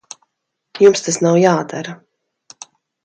Jums tas nav jādara.